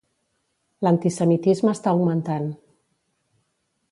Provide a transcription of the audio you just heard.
L'antisemitisme està augmentant.